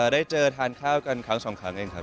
ได้เจอทานข้าวกันครั้งสองครั้งเองครับ